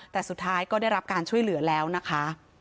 แต่สุดท้ายก็ได้รับการช่วยเหลือแล้วนะคะ